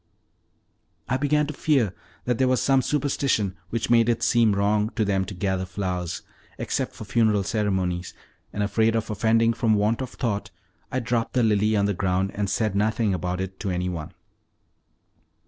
I began to fear that there was some superstition which made it seem wrong to them to gather flowers, except for funeral ceremonies, and afraid of offending from want of thought, I dropped the lily on the ground, and said nothing about it to any one.